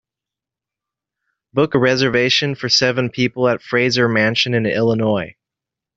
Book a reservation for seven people at Fraser Mansion in Illinois